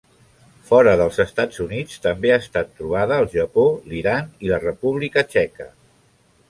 Fora dels Estats Units també ha estat trobada al Japó, l'Iran i la República Txeca.